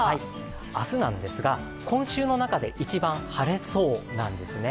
明日なんですが、今週の中で一番晴れそうなんですね。